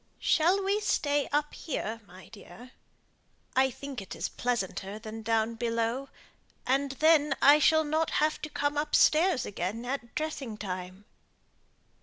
"Shall we stay up here, my dear? I think it is pleasanter than down below; and then I shall not have to come upstairs again at dressing time."